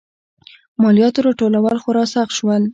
مالیاتو راټولول خورا سخت شول.